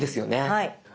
はい。